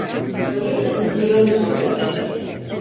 Arı kızdıranı sokar.